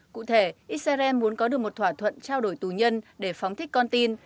cụ thể israel muốn có được một thỏa thuận trao đổi tù nhân để phóng thích con tin